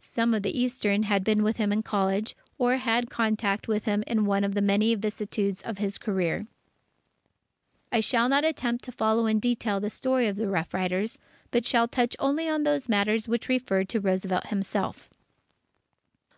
Some of the eastern had been with him in college, or had had contact with him in one of the many vicissitudes of his career. I shall not attempt to follow in detail the story of the Rough Riders, but shall touch only on those matters which refer to Roosevelt himself.